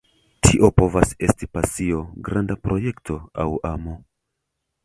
Tio povas esti pasio, granda projekto, aŭ amo.